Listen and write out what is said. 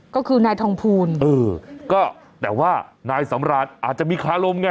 ก็คือนายทองภูลเออก็แต่ว่านายสำราญอาจจะมีคารมไง